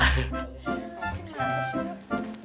mungkin yang kesini